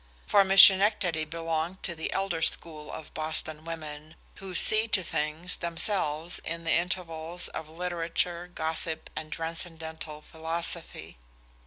For Miss Schenectady belonged to the elder school of Boston women, who "see to things" themselves in the intervals of literature, gossip, and transcendental philosophy.